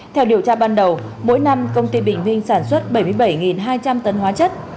theo điều tra ban đầu mỗi năm công ty bình vinh sản xuất bảy mươi bảy hai trăm linh tấn hóa chất